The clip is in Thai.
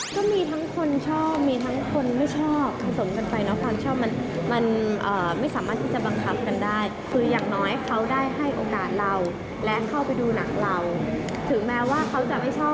แต่ถ้ามีลบเยอะบวกน้อยมันก็ต้องเอาไปปรับปรุงดูไปวิเคราะห์ดูว่ามันพลาดตรงไหน